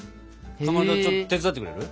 かまどちょっと手伝ってくれる？